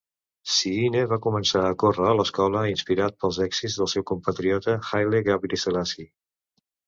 Sihine va començar a córrer a l'escola, inspirat pels èxits del seu compatriota Haile Gebrselassie.